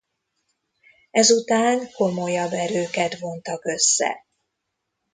Ezután komolyabb erőket vontak össze.